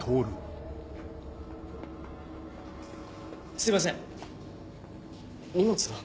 すいません荷物を。